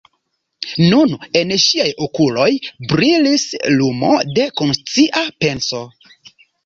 Nun en ŝiaj okuloj brilis lumo de konscia penso.